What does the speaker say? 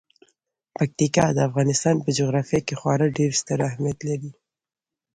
پکتیکا د افغانستان په جغرافیه کې خورا ډیر ستر اهمیت لري.